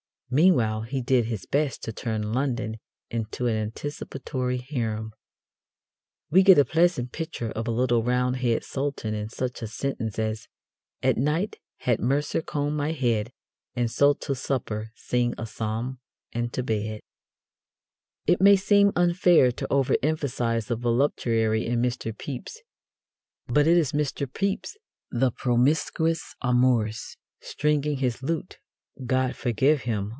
Meanwhile he did his best to turn London into an anticipatory harem. We get a pleasant picture of a little Roundhead Sultan in such a sentence as "At night had Mercer comb my head and so to supper, sing a psalm and to bed." It may seem unfair to over emphasize the voluptuary in Mr. Pepys, but it is Mr. Pepys, the promiscuous amourist; stringing his lute (God forgive him!)